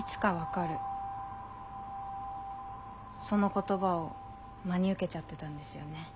その言葉を真に受けちゃってたんですよね。